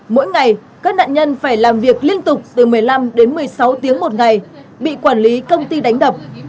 mỗi ngày các nạn nhân phải làm việc liên tục từ một mươi năm đến một mươi sáu tiếng một ngày bị quản lý công ty đánh đập